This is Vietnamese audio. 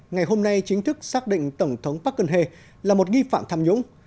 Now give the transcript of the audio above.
ngày hôm nay chính thức xác định tổng thống park geun hye là một nghi phạm tham nhũng